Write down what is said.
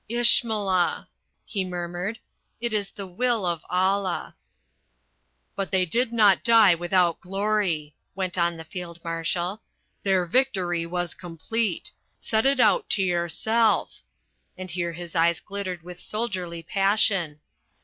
"Ishmillah!" he murmured. "It is the will of Allah." "But they did not die without glory," went on the Field Marshal. "Their victory was complete. Set it out to yourself," and here his eyes glittered with soldierly passion.